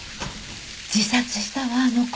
自殺したわあの子。